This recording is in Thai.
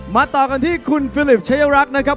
ต่อกันที่คุณฟิลิปชายรักษ์นะครับ